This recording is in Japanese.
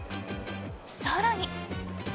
更に。